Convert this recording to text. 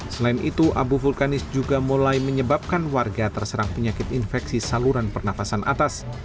selain itu abu vulkanis juga mulai menyebabkan warga terserang penyakit infeksi saluran pernafasan atas